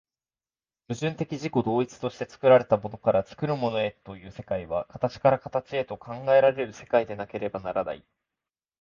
矛盾的自己同一として作られたものから作るものへという世界は、形から形へと考えられる世界でなければならない。